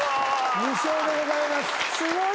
２笑でございます。